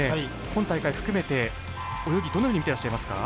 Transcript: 今大会含めて泳ぎどのように見てらっしゃいますか？